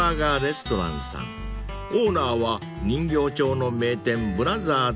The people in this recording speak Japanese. ［オーナーは人形町の名店ブラザーズの出身］